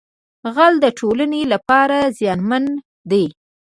غل د ټولنې لپاره زیانمن دی